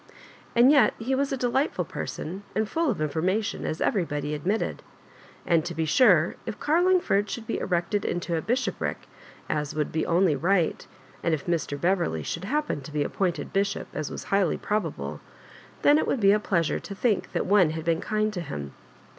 And yet he was a delightful person, and ihll of information, as everybody admitted ; and, to be sure, if Carlingford should be erected into a bishopric, as would be only right — and if Mr. Beverley should happen to be appointed bishop, as was highly probable — then it would be a pleasure to think that one had been kind to him.